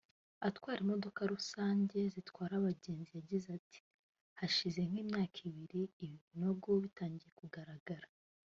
atwara imodoka rusange zitwara abagenzi yagize ati “Hashize nk’imyaka ibiri ibi binogo bitangiye kugaragara